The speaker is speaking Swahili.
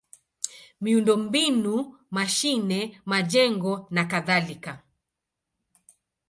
miundombinu: mashine, majengo nakadhalika.